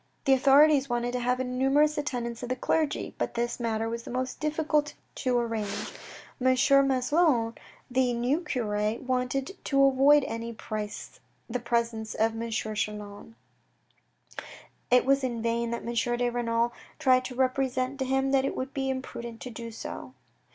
The authorities wanted to have a numerous attendance of the clergy, but this matter was the most difficult to arrange. M. Maslon, the new cure, wanted to avoid at any price the presence of M. Chelan. It was in vain that M. de Renal tried to represent to him that it would be imprudent to do so.